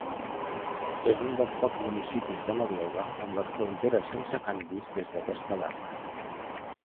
És un dels pocs municipis de Noruega amb les fronteres sense canvis des d'aquesta data.